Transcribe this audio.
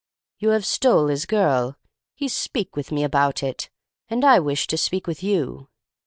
'You have stole his girl, he speak with me about it, and I wish to speak with you.